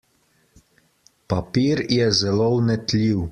Papir je zelo vnetljiv.